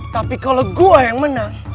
tapi kalau gua yang menang